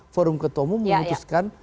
forum ketua umum memutuskan